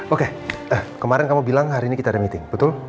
oke kemarin kamu bilang hari ini kita ada meeting betul